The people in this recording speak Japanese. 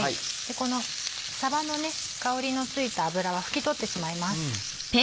このさばの香りのついた脂は拭き取ってしまいます。